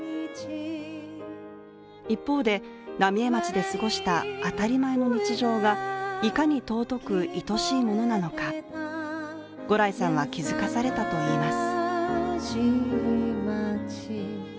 一方で、浪江町で過ごした当たり前の日常がいかに尊く、いとしいものなのか、牛来さんは気づかされたといいます。